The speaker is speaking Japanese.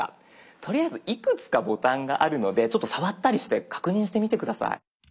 とりあえずいくつかボタンがあるのでちょっと触ったりして確認してみて下さい。